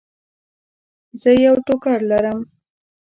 زه یو ټوکر لرم.